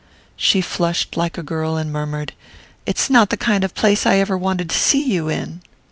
She flushed like a girl and murmured: "It's not the kind of place I ever wanted to see you in!"